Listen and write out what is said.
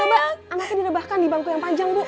coba anaknya direbahkan di bangku yang panjang bu